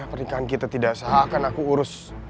pernikahan kita tidak sah akan aku urus